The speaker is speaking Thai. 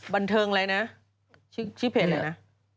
บันเทิงอะไรนะชื่อเพจน่ะ